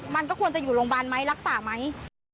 มันก็ควรจะอยู่โรงพยาบาลไหมรักษาไหม